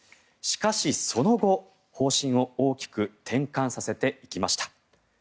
しかしその後、方針を大きく転換させていきました。